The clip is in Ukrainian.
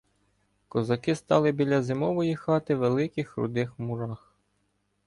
Козаки стали біля зимової хати великих рудих мурах.